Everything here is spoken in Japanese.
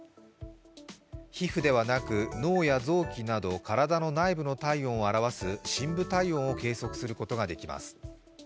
皮膚ではなく、脳や臓器など体の内部の体温を表す深部体温を計測することができます。